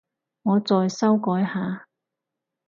我再修改下